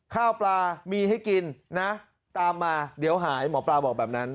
ข้าวปลามีให้กินนะตามมาเดี๋ยวหายหมอปลาบอกแบบนั้น